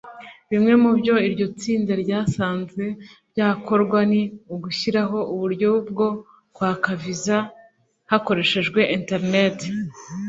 Bimwe mu byo iryo itsinda ryasanze byakorwa ni ugushyiraho uburyo bwo kwaka Viza hakoreshejwe internet